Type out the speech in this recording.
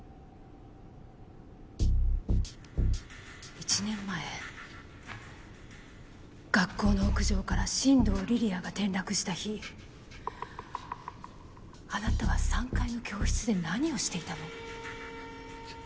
１年前学校の屋上から新堂梨里杏が転落した日あなたは３階の教室で何をしていたの？